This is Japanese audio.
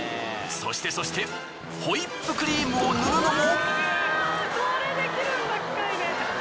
そしてそしてホイップクリームを塗るのも。